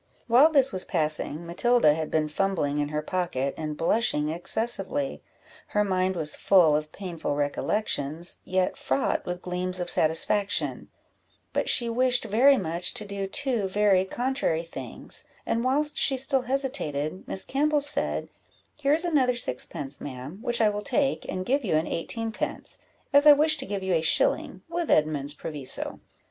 While this was passing, Matilda had been fumbling in her pocket, and blushing excessively; her mind was full of painful recollections, yet fraught with gleams of satisfaction; but she wished very much to do two very contrary things, and whilst she still hesitated, Miss Campbell said "Here is another sixpence, ma'am, which I will take, and give you an eighteen pence, as I wish to give you a shilling, with Edmund's proviso."